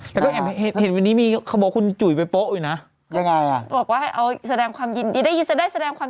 แต่ก็แอบเห็นวันนี้มีขบบคุณจุ๋ยไปโป๊ะอยู่นะ